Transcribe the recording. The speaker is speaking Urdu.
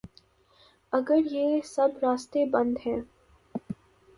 اگریہ سب راستے بند ہیں۔